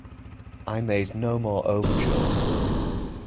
I made no more overtures.